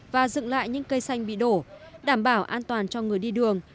và dựng lại những cây xanh bị đổ đảm bảo an toàn cho người đi đường